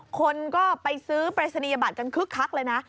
คนก็ไปซื้อปรายศนียบัตรกันคึกคักเลยนะ